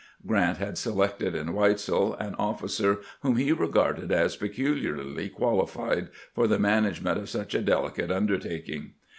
Grant had selected in Weitzel an officer whom he regarded as peculiarly qualified for the management of such a delicate undertaking.